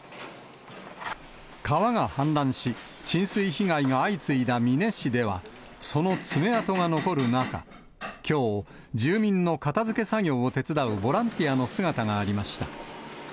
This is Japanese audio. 川が氾濫し、浸水被害が相次いだ美祢市では、その爪痕が残る中、きょう、住民の片づけ作業を手伝うボランティアの姿がありました。